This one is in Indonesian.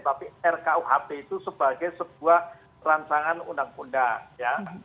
tapi rkuhp itu sebagai sebuah rancangan undang undang ya